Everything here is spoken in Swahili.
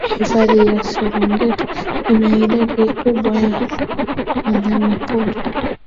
hifadhi ya serengeti ina idadi kubwa ya wanyamapori